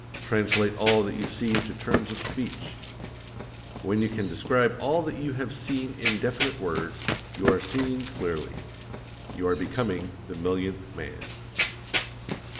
Translate all that you see into terms of speech. When you can describe all that you have seen in definite words, you are seeing clearly. You are becoming the millionth man.